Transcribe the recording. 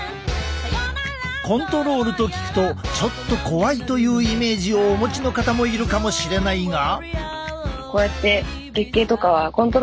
コントロールと聞くとちょっと怖いというイメージをお持ちの方もいるかもしれないが。